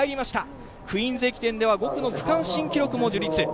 クーンズ駅伝では５区の区間新記録も樹立。